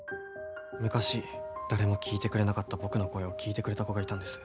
昔誰も聞いてくれなかった僕の声を聞いてくれた子がいたんです。